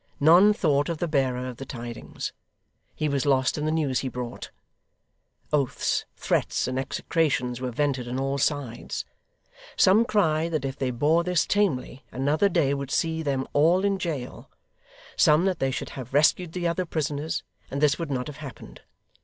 None thought of the bearer of the tidings. He was lost in the news he brought. Oaths, threats, and execrations, were vented on all sides. Some cried that if they bore this tamely, another day would see them all in jail; some, that they should have rescued the other prisoners, and this would not have happened.